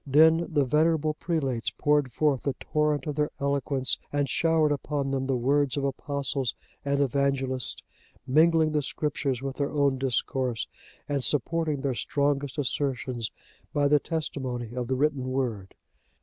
Then the venerable prelates poured forth the torrent of their eloquence and showered upon them the words of Apostles and Evangelists, mingling the Scriptures with their own discourse and supporting their strongest assertions by the testimony of the written Word.